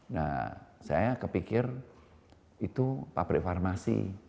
nah saya kepikir itu pabrik farmasi